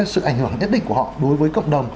sự ảnh hưởng nhất định của họ đối với cộng đồng